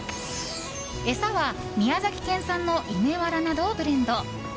餌は宮崎県産の稲わらなどをブレンド。